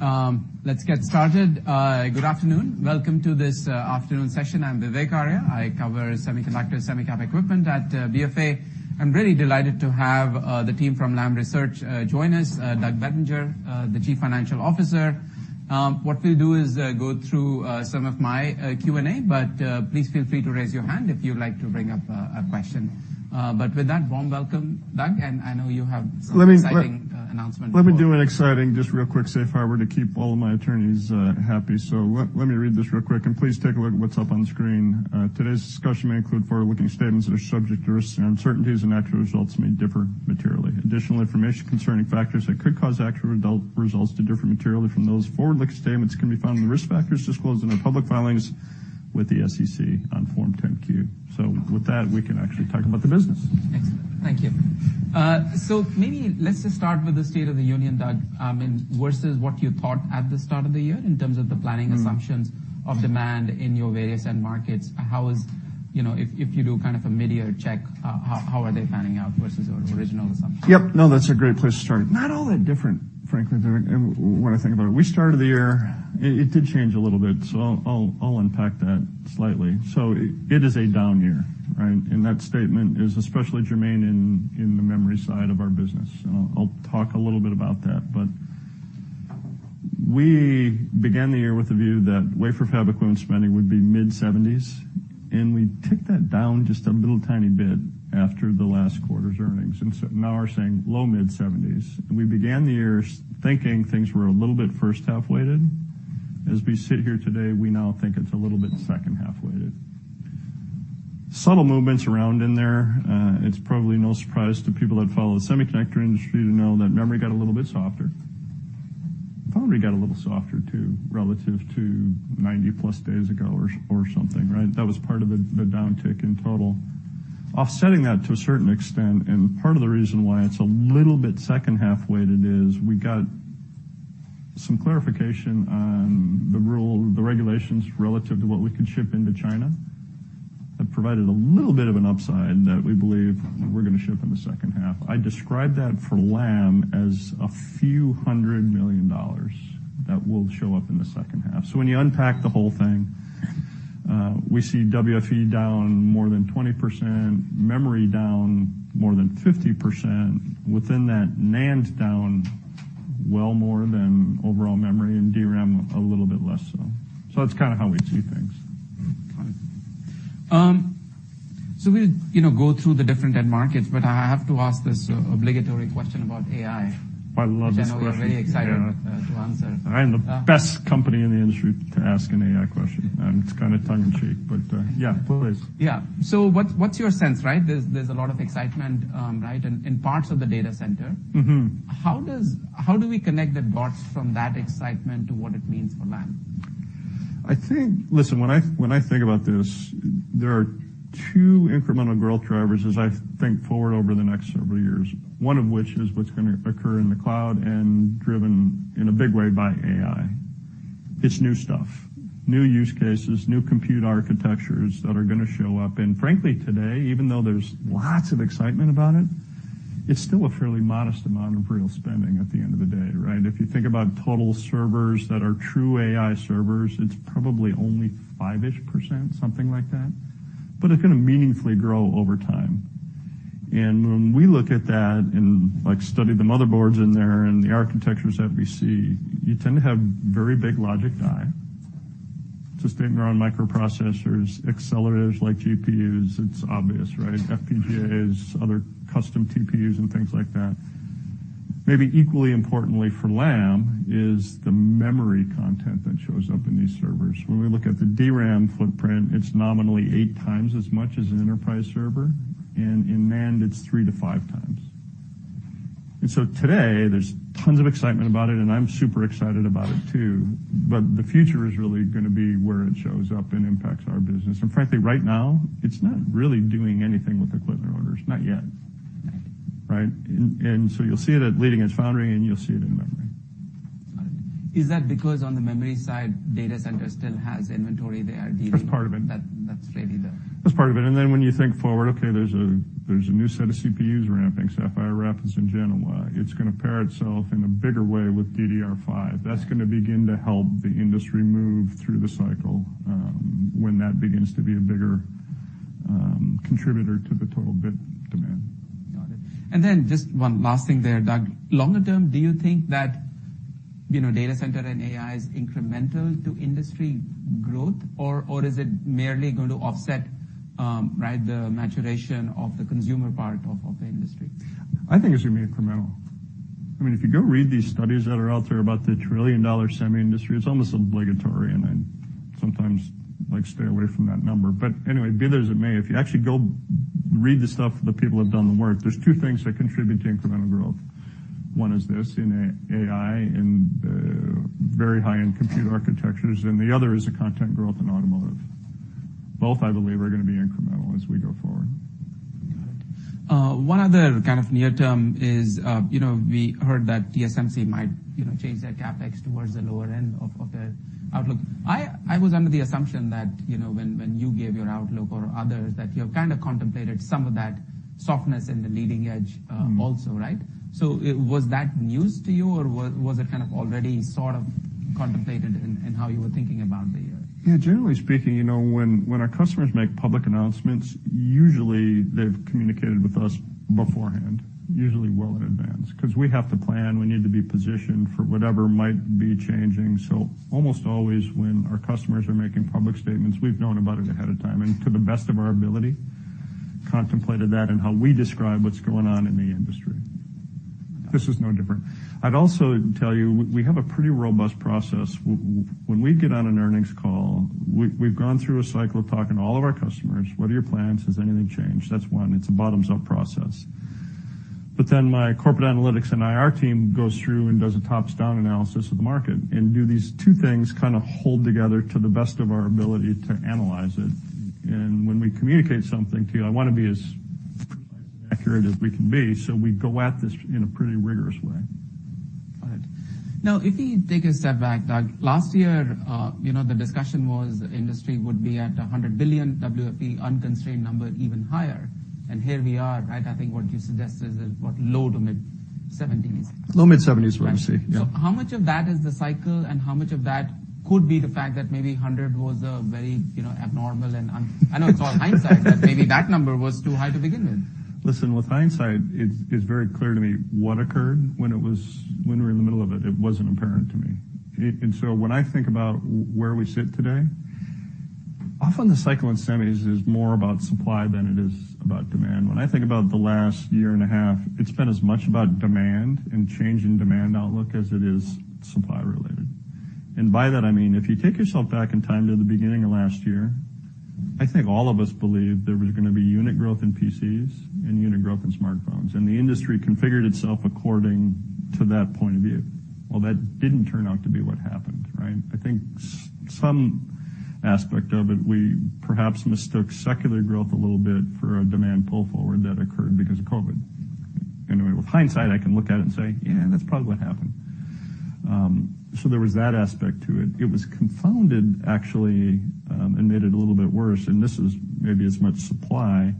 Let's get started. Good afternoon. Welcome to this afternoon session. I'm Vivek Arya. I cover semiconductor, semi cap equipment at BofA. I'm really delighted to have the team from Lam Research join us, Doug Bettinger, the Chief Financial Officer. What we'll do is go through some of my Q&A, but please feel free to raise your hand if you'd like to bring up a question. With that, warm welcome, Doug, and I know you have- Let me- Some exciting announcement. Let me do an exciting, just real quick, safe harbor to keep all of my attorneys happy. Let me read this real quick, and please take a look at what's up on the screen. "Today's discussion may include forward-looking statements that are subject to risks and uncertainties, and actual results may differ materially. Additional information concerning factors that could cause actual adult results to differ materially from those forward-looking statements can be found in the risk factors disclosed in our public filings with the SEC on Form 10-Q." With that, we can actually talk about the business. Excellent. Thank you. Maybe let's just start with the state of the union, Doug. I mean, versus what you thought at the start of the year in terms of the planning assumptions. Mm. of demand in your various end markets, you know, if you do kind of a mid-year check, how are they panning out versus your original assumptions? Yep. No, that's a great place to start. Not all that different, frankly, Vivek, when I think about it. We started the year. It did change a little bit, so I'll unpack that slightly. It is a down year, right? That statement is especially germane in the memory side of our business, and I'll talk a little bit about that. We began the year with the view that wafer fab equipment spending would be mid-seventies, and we took that down just a little tiny bit after the last quarter's earnings. Now we're saying low mid-seventies. We began the year thinking things were a little bit first half-weighted. As we sit here today, we now think it's a little bit second half-weighted. Subtle movements around in there. It's probably no surprise to people that follow the semiconductor industry to know that memory got a little bit softer. Probably got a little softer, too, relative to 90-plus days ago or something, right? That was part of the downtick in total. Offsetting that to a certain extent, and part of the reason why it's a little bit second half-weighted, is we got some clarification on the rule, the regulations relative to what we could ship into China. That provided a little bit of an upside that we believe we're gonna ship in the second half. I describe that for Lam as a few hundred million dollars that will show up in the second half. When you unpack the whole thing, we see WFE down more than 20%, memory down more than 50%. Within that, NAND's down well more than overall memory, and DRAM a little bit less so. That's kind of how we see things. Got it. We, you know, go through the different end markets, but I have to ask this obligatory question about AI. I love this question. Which I know you're very excited-. Yeah. to answer. I am the best company in the industry to ask an AI question. It's kind of tongue in cheek, but, yeah, please. Yeah. What's your sense, right? There's a lot of excitement, right, in parts of the data centre. Mm-hmm. How do we connect the dots from that excitement to what it means for Lam? Listen, when I think about this, there are two incremental growth drivers as I think forward over the next several years, one of which is what's gonna occur in the cloud and driven in a big way by AI. It's new stuff, new use cases, new compute architectures that are gonna show up. Frankly, today, even though there's lots of excitement about it's still a fairly modest amount of real spending at the end of the day, right? If you think about total servers that are true AI servers, it's probably only 5%-ish, something like that, but it's gonna meaningfully grow over time. When we look at that and, like, study the motherboards in there and the architectures that we see, you tend to have very big logic die. It's a statement around microprocessors, accelerators, like GPUs, it's obvious, right? FPGAs, other custom TPUs and things like that. Maybe equally importantly for Lam, is the memory content that shows up in these servers. When we look at the DRAM footprint, it's nominally 8x as much as an enterprise server, and in NAND it's 3x to 5x. Today, there's tons of excitement about it, and I'm super excited about it too, but the future is really gonna be where it shows up and impacts our business. Frankly, right now, it's not really doing anything with equipment orders. Not yet. Right? You'll see it at leading-edge foundry, and you'll see it in memory. Got it. Is that because on the memory side, data centre still has inventory? That's part of it. That's really. That's part of it. When you think forward, there's a new set of CPUs ramping, Sapphire Rapids and Genoa. It's gonna pair itself in a bigger way with DDR5. That's gonna begin to help the industry move through the cycle when that begins to be a bigger contributor to the total bit demand. Got it. Just one last thing there, Doug. Longer term, do you think that, you know, data centre and AI is incremental to industry growth, or is it merely going to offset, right, the maturation of the consumer part of the industry? I think it's gonna be incremental. I mean, if you go read these studies that are out there about the trillion-dollar semi industry, it's almost obligatory, and I sometimes like to stay away from that number. Anyway, be that as it may, if you actually go read the stuff, the people who have done the work, there's two things that contribute to incremental growth. One is this, in AI and very high-end compute architectures, and the other is the content growth in automotive. Both, I believe, are gonna be incremental as we go forward. Got it. One other kind of near term is, you know, we heard that TSMC might, you know, change their CapEx towards the lower end of their outlook. I was under the assumption that, you know, when you gave your outlook or others, that you have kind of contemplated some of that softness in the leading-edge also, right? Was that news to you, or was it kind of already sort of contemplated in how you were thinking about the year? Yeah, generally speaking, you know, when our customers make public announcements, usually they've communicated with us beforehand, usually well in advance. We have to plan, we need to be positioned for whatever might be changing. Almost always, when our customers are making public statements, we've known about it ahead of time, and to the best of our ability, contemplated that in how we describe what's going on in the industry. This is no different. I'd also tell you, we have a pretty robust process. When we get on an earnings call, we've gone through a cycle of talking to all of our customers. What are your plans? Has anything changed? That's one, it's a bottoms-up process. My corporate analytics and IR team goes through and does a tops-down analysis of the market, and do these two things kind of hold together to the best of our ability to analyse it. When we communicate something to you, I want to be as precise and accurate as we can be, so we go at this in a pretty rigorous way. Got it. Now, if you take a step back, Doug, last year, you know, the discussion was the industry would be at $100 billion WFE, unconstrained number, even higher. Here we are, right? I think what you suggested is, what, low to mid $70s billion. Low, mid-70s, what we see, yeah. How much of that is the cycle, and how much of that could be the fact that maybe 100 was a very, you know, abnormal I know it's all hindsight, but maybe that number was too high to begin with. Listen, with hindsight, it's very clear to me what occurred. When it was, when we were in the middle of it wasn't apparent to me. When I think about where we sit today, often the cycle in semis is more about supply than it is about demand. When I think about the last year and a half, it's been as much about demand and change in demand outlook as it is supply related. And by that, I mean, if you take yourself back in time to the beginning of last year, I think all of us believed there was going to be unit growth in PCs and unit growth in smartphones, and the industry configured itself according to that point of view. Well, that didn't turn out to be what happened, right? I think some aspect of it, we perhaps mistook secular growth a little bit for a demand pull forward that occurred because of COVID. Anyway, with hindsight, I can look at it and say, "Yeah, that's probably what happened." So there was that aspect to it. It was confounded, actually, and made it a little bit worse, and this is maybe as much supply.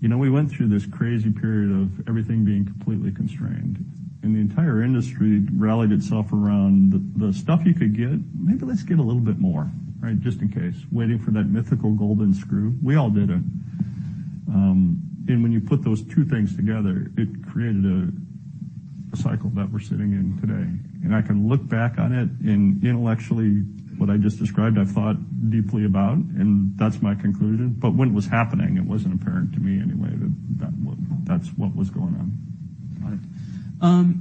You know, we went through this crazy period of everything being completely constrained, and the entire industry rallied itself around the stuff you could get. Maybe let's get a little bit more, right, just in case. Waiting for that mythical golden screw. We all did it. And when you put those two things together, it created a cycle that we're sitting in today. I can look back on it, and intellectually, what I just described, I've thought deeply about, and that's my conclusion. When it was happening, it wasn't apparent to me, anyway, that what, that's what was going on. Got it.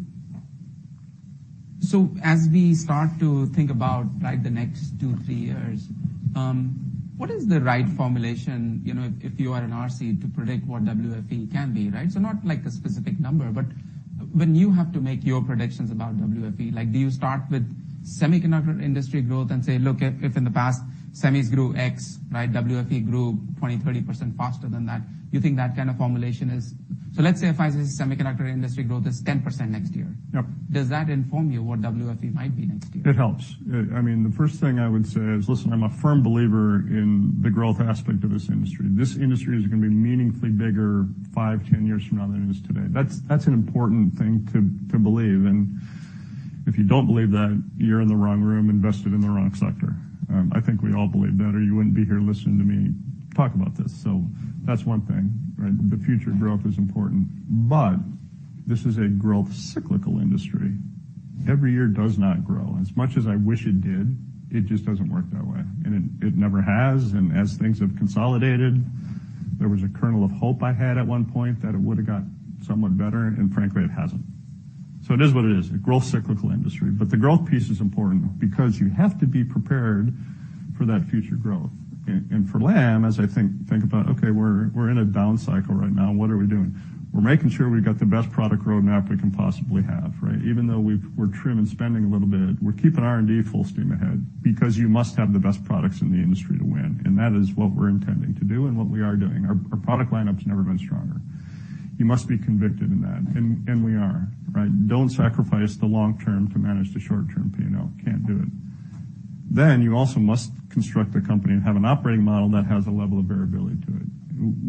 As we start to think about, like, the next two, three years, what is the right formulation, you know, if you are in our seat, to predict what WFE can be, right? Not like a specific number, but when you have to make your predictions about WFE, like, do you start with semiconductor industry growth and say, look, if in the past, semis grew X, right, WFE grew 20%, 30% faster than that, you think that kind of formulation is.. Let's say if I say semiconductor industry growth is 10% next year- Yep. Does that inform you what WFE might be next year? It helps. I mean, the first thing I would say is, listen, I'm a firm believer in the growth aspect of this industry. This industry is going to be meaningfully bigger 5, 10 years from now than it is today. That's an important thing to believe, and if you don't believe that, you're in the wrong room, invested in the wrong sector. I think we all believe that, or you wouldn't be here listening to me talk about this. That's one thing, right? The future growth is important, but this is a growth cyclical industry. Every year does not grow. As much as I wish it did, it just doesn't work that way, and it never has, and as things have consolidated, there was a kernel of hope I had at one point that it would've got somewhat better, and frankly, it hasn't. It is what it is, a growth cyclical industry. The growth piece is important because you have to be prepared for that future growth. For Lam, as I think about, okay, we're in a down cycle right now, what are we doing? We're making sure we've got the best product roadmap we can possibly have, right? Even though we've, we're trimming spending a little bit, we're keeping R&D full steam ahead because you must have the best products in the industry to win, and that is what we're intending to do and what we are doing. Our product lineup's never been stronger. You must be convicted in that, and we are, right? Don't sacrifice the long term to manage the short-term P&L. Can't do it. You also must construct a company and have an operating model that has a level of variability to it.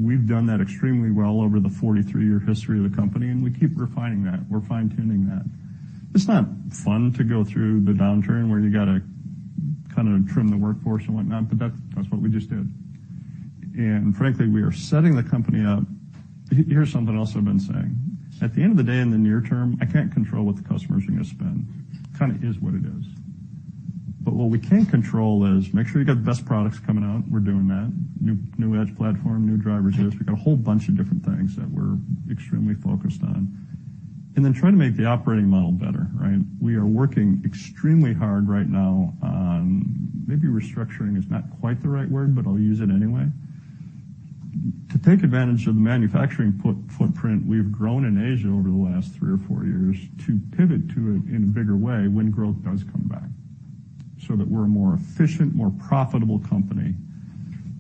We've done that extremely well over the 43-year history of the company, and we keep refining that. We're fine-tuning that. It's not fun to go through the downturn where you got to kind of trim the workforce and whatnot, but that's what we just did. Frankly, we are setting the company up. Here's something else I've been saying: At the end of the day, in the near term, I can't control what the customers are going to spend. Kind of is what it is. What we can control is make sure you got the best products coming out. We're doing that. New Sense.i platform, new drivers here. We got a whole bunch of different things that we're extremely focused on. Trying to make the operating model better, right? We are working extremely hard right now on, maybe restructuring is not quite the right word, but I'll use it anyway, to take advantage of the manufacturing footprint we've grown in Asia over the last three or four years to pivot to it in a bigger way when growth does come back, so that we're a more efficient, more profitable company.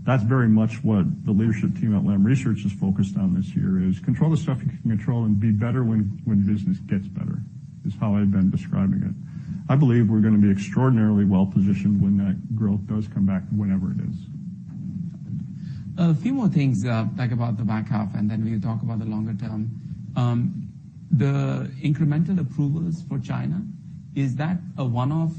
That's very much what the leadership team at Lam Research is focused on this year, is control the stuff you can control and be better when business gets better, is how I've been describing it. I believe we're going to be extraordinarily well-positioned when that growth does come back, whenever it is. ...A few more things, talk about the back half, and then we'll talk about the longer term. The incremental approvals for China, is that a one-off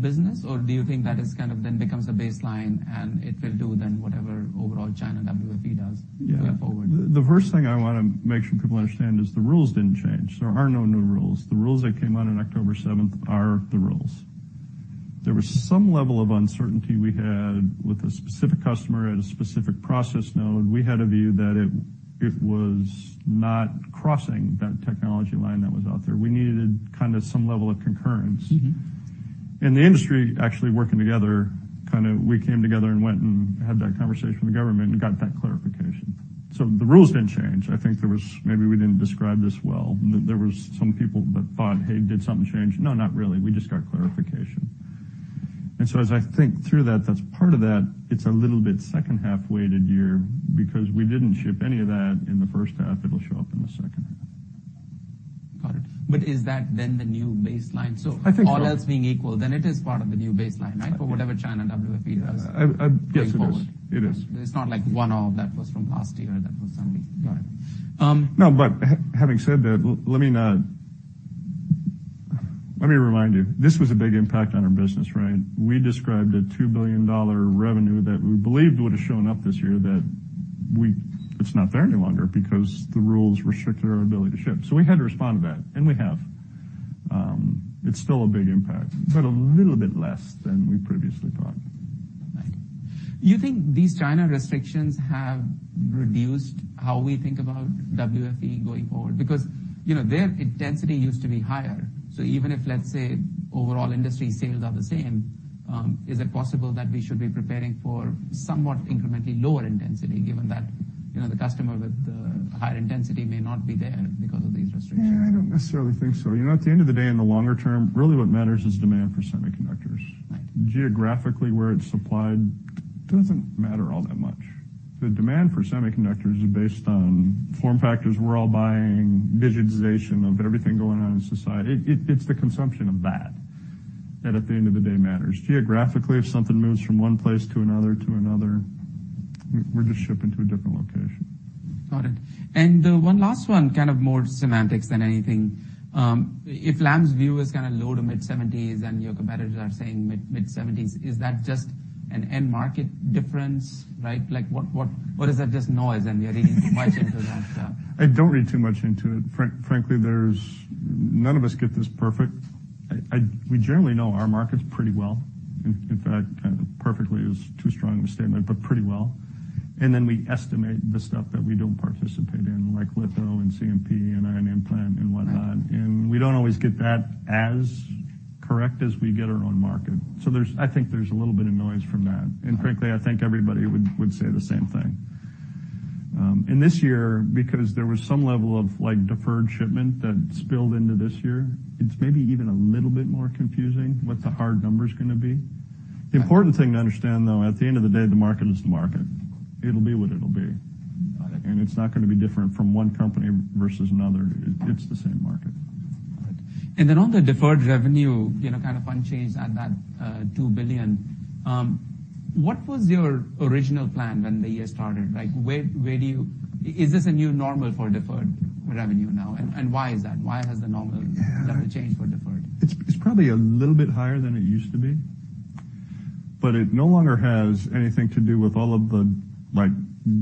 business, or do you think that is kind of then becomes a baseline, and it will do then whatever overall China WFE does going forward? The first thing I want to make sure people understand is the rules didn't change. There are no new rules. The rules that came out on October seventh are the rules. There was some level of uncertainty we had with a specific customer at a specific process node. We had a view that it was not crossing that technology line that was out there. We needed kind of some level of concurrence. Mm-hmm. The industry actually working together, kind of, we came together and went and had that conversation with the government and got that clarification. The rules didn't change. I think maybe we didn't describe this well. There was some people that thought, "Hey, did something change?" No, not really. We just got clarification. As I think through that's part of that. It's a little bit second half weighted year, because we didn't ship any of that in the first half. It'll show up in the second half. Got it. Is that then the new baseline? I think so. All else being equal, then it is part of the new baseline, right? For whatever China WFE does. Yes, it is. -going forward. It is. It's not like one-off that was from last year, that was something. Right. Um- No, but having said that, let me remind you, this was a big impact on our business, right? We described a $2 billion revenue that we believed would have shown up this year, that we it's not there any longer because the rules restricted our ability to ship. We had to respond to that, and we have. It's still a big impact, but a little bit less than we previously thought. Right. You think these China restrictions have reduced how we think about WFE going forward? Because, you know, their intensity used to be higher. Even if, let's say, overall industry sales are the same, is it possible that we should be preparing for somewhat incrementally lower intensity, given that, you know, the customer with the higher intensity may not be there because of these restrictions? Yeah, I don't necessarily think so. You know, at the end of the day, in the longer term, really what matters is demand for semiconductors. Right. Geographically, where it's supplied doesn't matter all that much. The demand for semiconductors is based on form factors. We're all buying digitization of everything going on in society. It's the consumption of that at the end of the day, matters. Geographically, if something moves from one place to another to another, we're just shipping to a different location. Got it. One last one, kind of more semantics than anything. If Lam's view is kind of low to mid-seventies, and your competitors are saying mid-seventies, is that just an end market difference, right? Like, what is that just noise, and you're reading much into that? I don't read too much into it. frankly, there's. None of us get this perfect. we generally know our markets pretty well. In fact, perfectly is too strong a statement, but pretty well. we estimate the stuff that we don't participate in, like litho and CMP and ion implant and whatnot. Right. We don't always get that as correct as we get our own market. I think there's a little bit of noise from that. Right. Frankly, I think everybody would say the same thing. This year, because there was some level of, like, deferred shipment that spilled into this year, it's maybe even a little bit more confusing what the hard number's going to be. Right. The important thing to understand, though, at the end of the day, the market is the market. It'll be what it'll be. Got it. It's not gonna be different from one company versus another. It's the same market. Got it. Then on the deferred revenue, you know, kind of unchanged at that $2 billion. What was your original plan when the year started? Like, where do you. Is this a new normal for deferred revenue now, and why is that? Why has the normal- Yeah. Level changed for deferred? It's probably a little bit higher than it used to be, but it no longer has anything to do with all of the, like,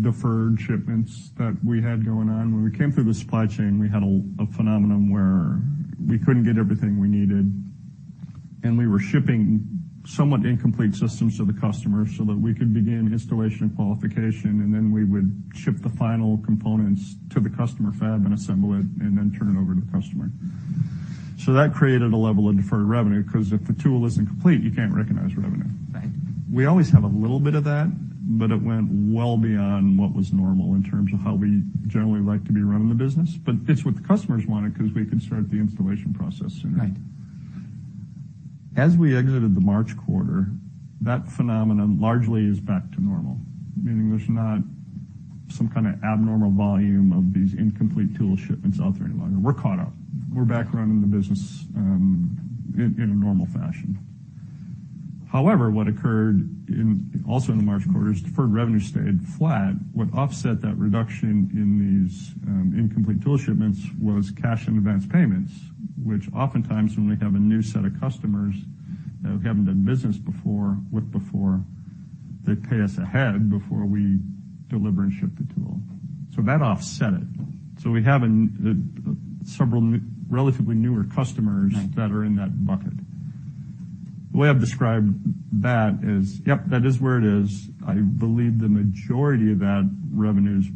deferred shipments that we had going on. When we came through the supply chain, we had a phenomenon where we couldn't get everything we needed, and we were shipping somewhat incomplete systems to the customer so that we could begin installation and qualification, and then we would ship the final components to the customer fab and assemble it and then turn it over to the customer. That created a level of deferred revenue, 'cause if the tool is incomplete, you can't recognise the revenue. Right. We always have a little bit of that, but it went well beyond what was normal in terms of how we generally like to be running the business. It's what the customers wanted, 'cause we could start the installation process sooner. Right. As we exited the March quarter, that phenomenon largely is back to normal, meaning there's not some kind of abnormal volume of these incomplete tool shipments out there anymore. We're caught up. We're back running the business in a normal fashion. However, what occurred in, also in the March quarter is deferred revenue stayed flat. What offset that reduction in these incomplete tool shipments was cash in advance payments, which oftentimes, when we have a new set of customers who haven't done business before, they pay us ahead before we deliver and ship the tool. That offset it. We have several new, relatively newer customers- Right. -that are in that bucket. The way I've described that is, yep, that is where it is. I believe the majority of that revenue is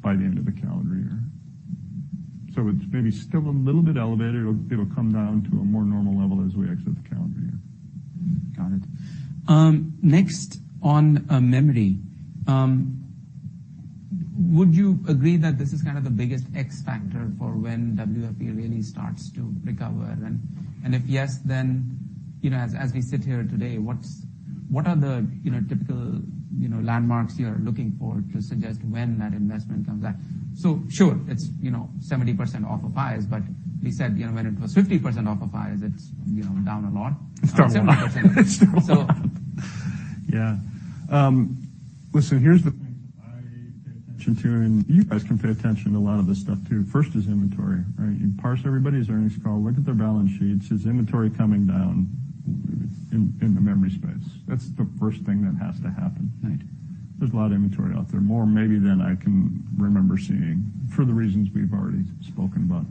by the end of the calendar year. It's maybe still a little bit elevated. It'll come down to a more normal level as we exit the calendar year. Got it. Next, on memory. Would you agree that this is kind of the biggest X factor for when WFE really starts to recover? If yes, then, you know, as we sit here today, what's, what are the, you know, typical, you know, landmarks you're looking for to suggest when that investment comes back? Sure, it's, you know, 70% off of highs, we said, you know, when it was 50% off of highs, it's, you know, down a lot. It's still. 70%. It's still... So. listen, here's Chintan, you guys can pay attention to a lot of this stuff, too. First is inventory, right? You parse everybody's earnings call, look at their balance sheets. Is inventory coming down in the memory space? That's the first thing that has to happen. Right. There's a lot of inventory out there, more maybe than I can remember seeing, for the reasons we've already spoken about.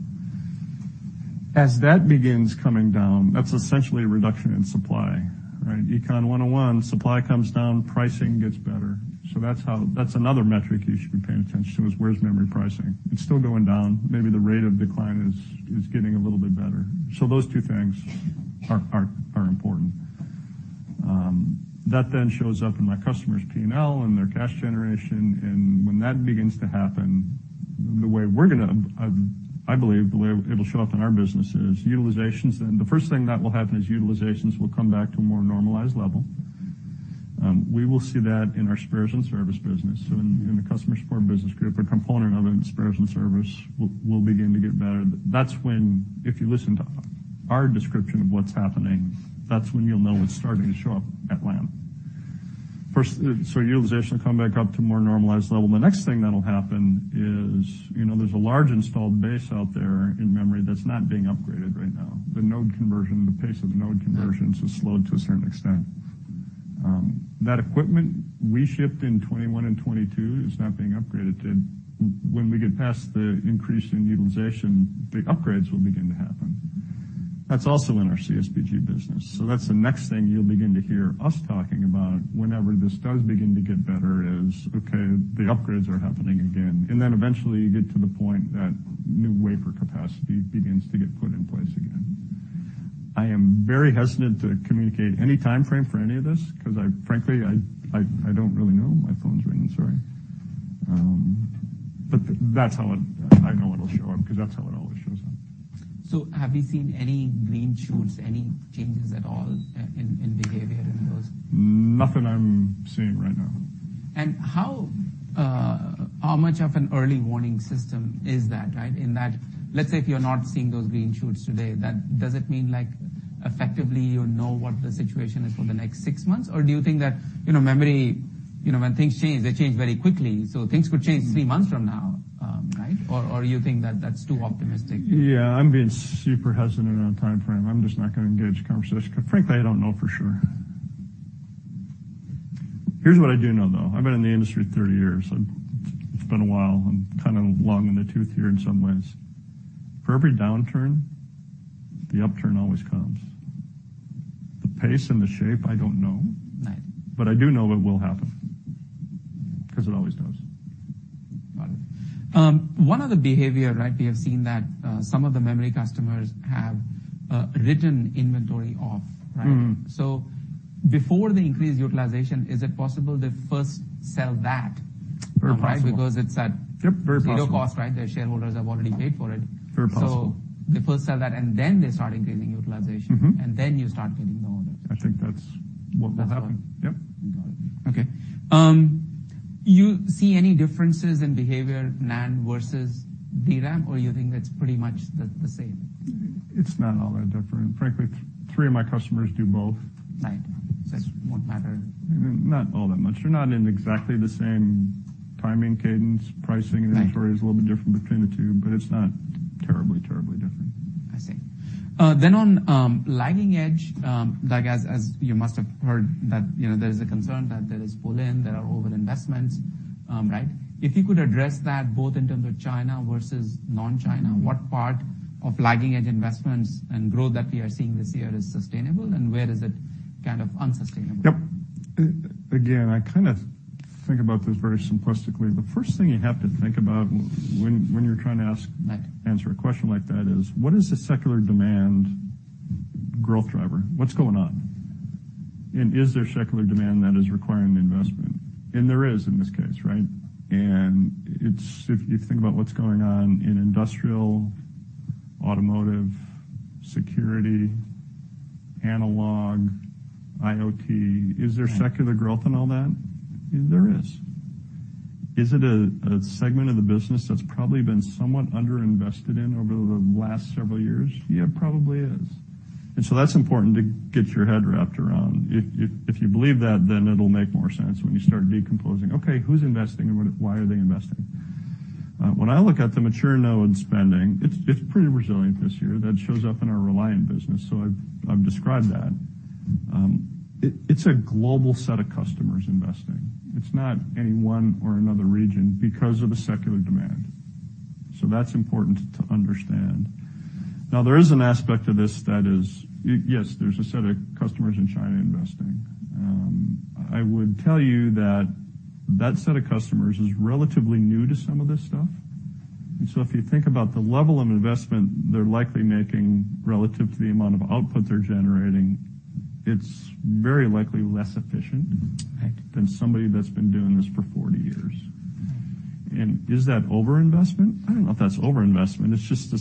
As that begins coming down, that's essentially a reduction in supply, right? Econ 101, supply comes down, pricing gets better. That's another metric you should be paying attention to, is where's memory pricing? It's still going down. Maybe the rate of decline is getting a little bit better. Those two things are important. That then shows up in my customer's P&L and their cash generation. When that begins to happen, the way we're gonna, I believe, the way it will show up in our business is utilisations. The first thing that will happen is utilisations will come back to a more normalised level. We will see that in our spares and service business. In the customer support business group, a component of it, in spares and service, will begin to get better. That's when, if you listen to our description of what's happening, that's when you'll know it's starting to show up at Lam. First, utilisation will come back up to a more normalised level. The next thing that'll happen is, you know, there's a large installed base out there in memory that's not being upgraded right now. The node conversion, the pace of node conversions has slowed to a certain extent. That equipment we shipped in 2021 and 2022 is not being upgraded. When we get past the increase in utilisation, the upgrades will begin to happen. That's also in our CSPG business. That's the next thing you'll begin to hear us talking about whenever this does begin to get better, is, "Okay, the upgrades are happening again." Then eventually, you get to the point that new wafer capacity begins to get put in place again. I am very hesitant to communicate any time frame for any of this, because I, frankly, I don't really know. My phone's ringing, sorry. That's how it, I know it'll show up, because that's how it always shows up. Have you seen any green shoots, any changes at all in behaviour in those? Nothing I'm seeing right now. How much of an early warning system is that, right? In that, let's say if you're not seeing those green shoots today, that doesn't mean, like, effectively, you know what the situation is for the next six months? Or do you think that, you know, memory, you know, when things change, they change very quickly, so things could change three months from now, right? Or you think that that's too optimistic? Yeah, I'm being super hesitant on a time frame. I'm just not gonna engage the conversation because frankly, I don't know for sure. Here's what I do know, though. I've been in the industry 30 years. It's been a while. I'm kind of long in the tooth here in some ways. For every downturn, the upturn always comes. The pace and the shape, I don't know. Right. I do know it will happen, because it always does. Got it. One other behaviour, right, we have seen that, some of the memory customers have, written inventory off, right? Mm-hmm. Before they increase utilisation, is it possible they first sell that? Very possible. Because it's Yep, very possible. zero cost, right? Their shareholders have already paid for it. Very possible. They first sell that, and then they start increasing utilisation. Mm-hmm. You start getting the orders. I think that's what will happen. That's what? Yep. Got it. Okay. You see any differences in behaviour, NAND versus DRAM, or you think that's pretty much the same? It's not all that different. Frankly, three of my customers do both. Right. It won't matter. Not all that much. They're not in exactly the same timing, cadence, pricing- Right... inventory is a little bit different between the two, but it's not terribly different. I see. On lagging edge, like, as you must have heard, that, you know, there is a concern that there is pull-in, there are over-investments, right? If you could address that both in terms of China versus non-China, what part of lagging edge investments and growth that we are seeing this year is sustainable, and where is it kind of unsustainable? Yep. Again, I kind of think about this very simplistically. The first thing you have to think about when you're trying to ask- Right answer a question like that is: What is the secular demand growth driver? What's going on? Is there secular demand that is requiring the investment? There is in this case, right? It's, if you think about what's going on in industrial, automotive, security, analog, IoT- Right Is there secular growth in all that? There is. Is it a segment of the business that's probably been somewhat underinvested in over the last several years? Yeah, it probably is. That's important to get your head wrapped around. If you believe that, then it'll make more sense when you start decomposing. Okay, who's investing, and why are they investing? When I look at the mature node spending, it's pretty resilient this year. That shows up in our Reliant business, so I've described that. It's a global set of customers investing. It's not any one or another region because of the secular demand. That's important to understand. Now, there is an aspect to this that is, yes, there's a set of customers in China investing. I would tell you that that set of customers is relatively new to some of this stuff. If you think about the level of investment they're likely making relative to the amount of output they're generating, it's very likely less efficient. Right... than somebody that's been doing this for 40 years. Is that over-investment? I don't know if that's over-investment. It's just the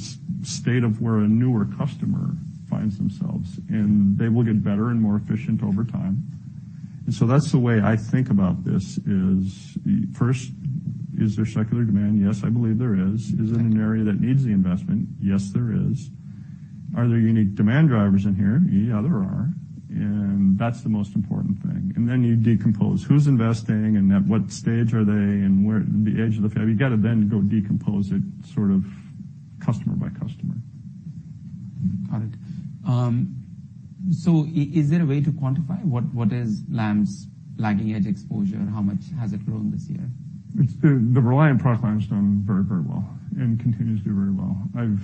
state of where a newer customer finds themselves, and they will get better and more efficient over time. That's the way I think about this, is first, is there secular demand? Yes, I believe there is. Right. Is it an area that needs the investment? Yes, there is. Are there unique demand drivers in here? Yeah, there are, and that's the most important thing. You decompose who's investing and at what stage are they, You got to then go decompose it sort of customer by customer. Got it. Is there a way to quantify what is Lam's lagging edge exposure? How much has it grown this year? It's the Reliant product line has done very, very well and continues to do very well. I've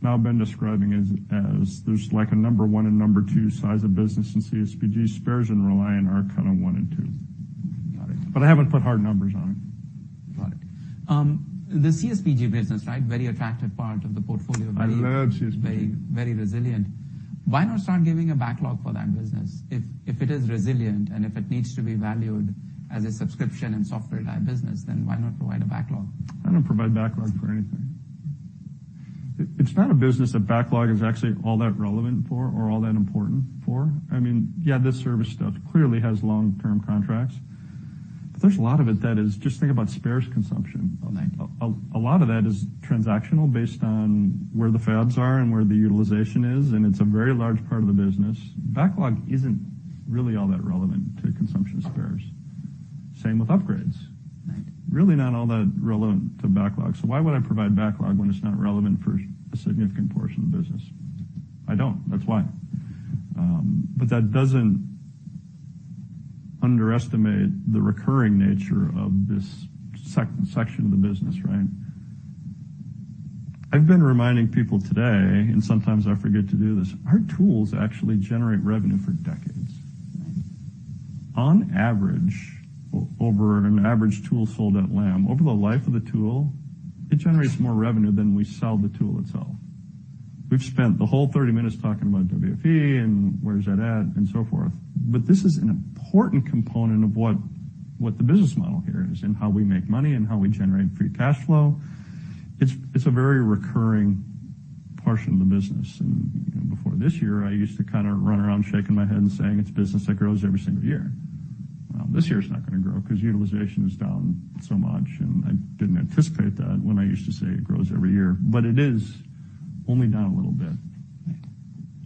now been describing it as there's like a number one and number two size of business in CSPG. Spares and Reliant are kind of one and two. Got it. I haven't put hard numbers on it. Got it. The CSPG business, right, very attractive part of the portfolio. I love CSPG. Very resilient. Why not start giving a backlog for that business? If it is resilient and if it needs to be valued as a subscription and software-led business, then why not provide a backlog? I don't provide backlog for anything. It's not a business that backlog is actually all that relevant for or all that important for. I mean, yeah, the service stuff clearly has long-term contracts, but there's a lot of it that is. Just think about spares consumption. Okay. A lot of that is transactional, based on where the fabs are and where the utilisation is, and it's a very large part of the business. Backlog isn't really all that relevant to consumption spares. Same with upgrades. Right. Really not all that relevant to backlogs. Why would I provide backlog when it's not relevant for a significant portion of the business? I don't, that's why. But that doesn't underestimate the recurring nature of this second section of the business, right? I've been reminding people today, and sometimes I forget to do this, our tools actually generate revenue for decades. Right. On average, over an average tool sold at Lam, over the life of the tool, it generates more revenue than we sell the tool itself. We've spent the whole 30 minutes talking about WFE and where is that at, and so forth. This is an important component of what the business model here is, and how we make money, and how we generate free cash flow. It's a very recurring portion of the business. Before this year, I used to kind of run around shaking my head and saying, "It's business that grows every single year." This year is not going to grow because utilisation is down so much. I didn't anticipate that when I used to say it grows every year. It is only down a little bit. Right.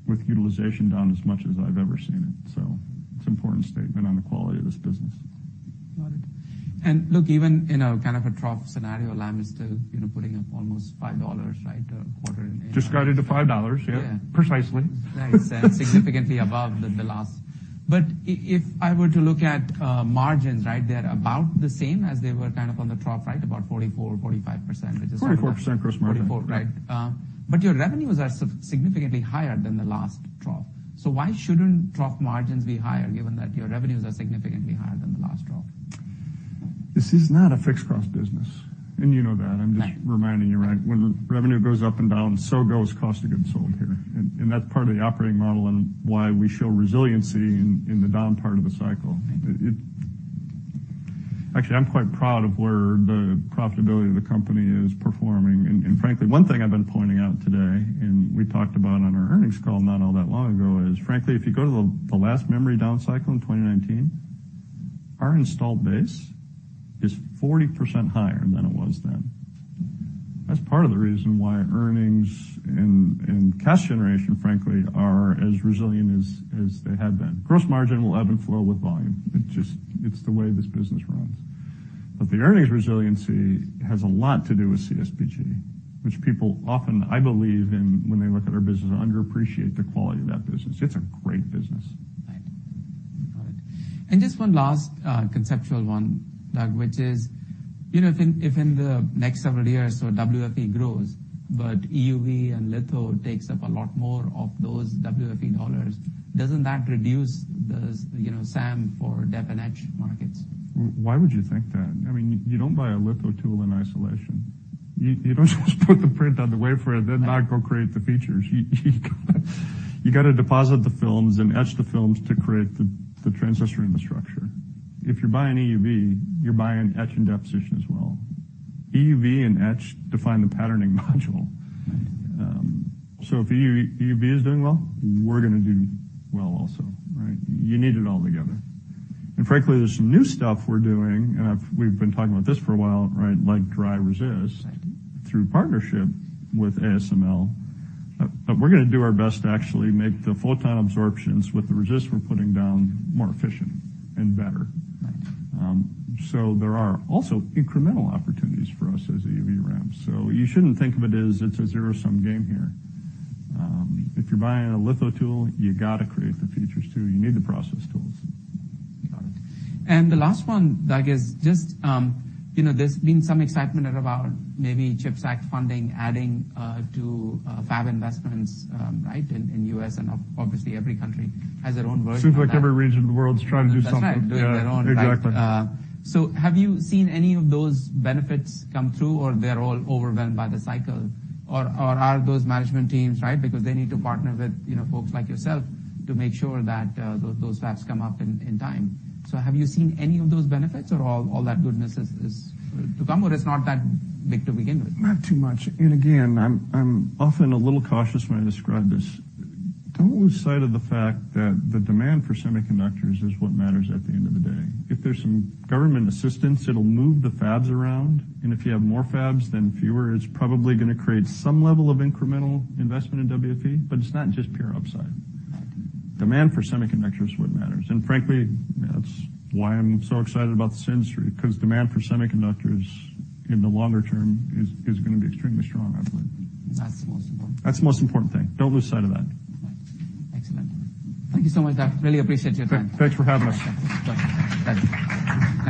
-with utilisation down as much as I've ever seen it. It's an important statement on the quality of this business. Got it. Look, even in a kind of a trough scenario, Lam is still, you know, putting up almost $5, right? Just got it to $5. Yeah. Precisely. Nice. Significantly above the last... If I were to look at margins, right, they're about the same as they were kind of on the trough, right? About 44% to 45%. 44% gross margin. 44, right. Your revenues are significantly higher than the last trough, why shouldn't trough margins be higher, given that your revenues are significantly higher than the last trough? This is not a fixed cost business, and you know that. Right. I'm just reminding you, right? When the revenue goes up and down, so goes cost of goods sold here, and that's part of the operating model and why we show resiliency in the down part of the cycle. Actually, I'm quite proud of where the profitability of the company is performing. Frankly, one thing I've been pointing out today, and we talked about on our earnings call not all that long ago, is, frankly, if you go to the last memory down cycle in 2019, our installed base is 40% higher than it was then. That's part of the reason why earnings and cash generation, frankly, are as resilient as they have been. Gross margin will ebb and flow with volume. It just, it's the way this business runs. The earnings resiliency has a lot to do with CSPG, which people often, I believe, and when they look at our business, under-appreciate the quality of that business. It's a great business. Right. Got it. Just one last conceptual one, Doug, which is, you know, if in, if in the next several years, so WFE grows, but EUV and litho takes up a lot more of those WFE dollars, doesn't that reduce the, you know, SAM for dev and etch markets? Why would you think that? I mean, you don't buy a litho tool in isolation. You don't just put the print on the wafer and then not go create the features. You got to deposit the films and etch the films to create the transistor in the structure. If you're buying EUV, you're buying etch and deposition as well. EUV and etch define the patterning module. Right. If EUV is doing well, we're going to do well also, right? You need it all together. Frankly, there's some new stuff we're doing, we've been talking about this for a while, right, like dry resist. Right. -through partnership with ASML. We're going to do our best to actually make the photon absorptions with the resist we're putting down more efficient and better. Right. There are also incremental opportunities for us as EUV ramps. You shouldn't think of it as it's a zero-sum game here. If you're buying a litho tool, you got to create the features, too. You need the process tools. Got it. The last one, Doug, is just, you know, there's been some excitement about maybe CHIPS Act funding adding to fab investments, right, in U.S., and obviously, every country has their own version of that. Seems like every region of the world is trying to do something. That's right. Yeah. Doing their own. Exactly. Have you seen any of those benefits come through, or they're all overwhelmed by the cycle? Or are those management teams, right, because they need to partner with, you know, folks like yourself to make sure that those fabs come up in time? Have you seen any of those benefits, or all that goodness is to come, or it's not that big to begin with? Not too much. Again, I'm often a little cautious when I describe this. Don't lose sight of the fact that the demand for semiconductors is what matters at the end of the day. If there's some government assistance, it'll move the fabs around, and if you have more fabs than fewer, it's probably going to create some level of incremental investment in WFE, but it's not just pure upside. Right. Demand for semiconductors is what matters. Frankly, that's why I'm so excited about this industry, because demand for semiconductors in the longer term is going to be extremely strong, I believe. That's the most important. That's the most important thing. Don't lose sight of that. Right. Excellent. Thank you so much, Doug. Really appreciate your time. Thanks for having us. Thank you. Thanks.